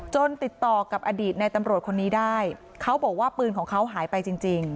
ติดต่อกับอดีตในตำรวจคนนี้ได้เขาบอกว่าปืนของเขาหายไปจริง